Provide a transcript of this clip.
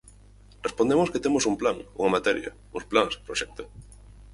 Respondemos que temos un plan, unha materia, uns plans proxecta.